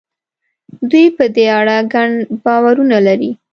دوی په دې اړه ګڼ باورونه لري.